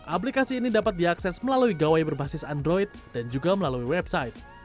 aplikasi ini dapat diakses melalui gawai berbasis android dan juga melalui website